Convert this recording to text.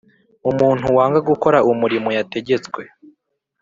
Umuntu wanga gukora umurimo yategetswe.